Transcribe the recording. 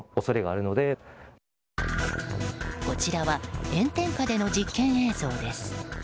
こちらは炎天下での実験映像です。